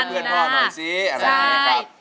ลองเพลงให้เพื่อนพ่อหน่อยสิ